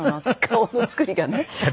顔の作りがね。